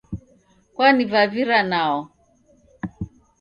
Kwanivavira nao